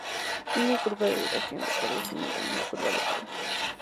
Una curva de duración de carga es similar a una curva de carga.